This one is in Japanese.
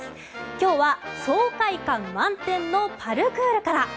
今日は爽快感満点のパルクールから。